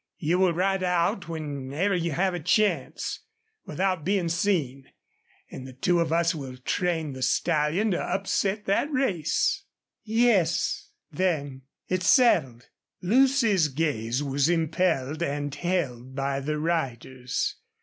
You will ride out whenever you have a chance, without bein' seen. An' the two of us will train the stallion to upset that race." "Yes then it's settled." Lucy's gaze was impelled and held by the rider's.